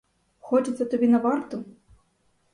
Хочеться тобі на варту?